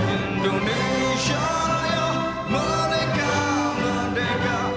indonesia raya merdeka merdeka